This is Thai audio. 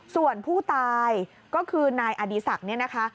ส่วนผู้ตายก็คือนายอดีศักดิ์เนี่ยนะคะ